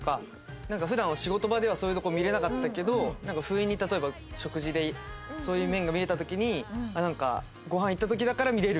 なんか普段仕事場ではそういうとこ見れなかったけど不意に例えば食事でそういう面が見れた時になんかごはん行った時だから見れる。